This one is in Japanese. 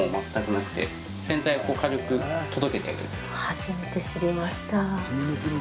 初めて知りました。